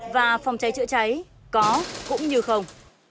và phòng cháy chữa cháy có cũng như không